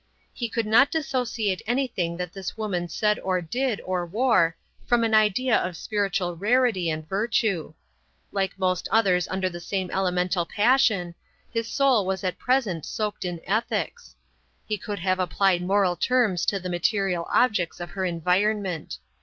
He could not dissociate anything that this woman said or did or wore from an idea of spiritual rarity and virtue. Like most others under the same elemental passion, his soul was at present soaked in ethics. He could have applied moral terms to the material objects of her environment.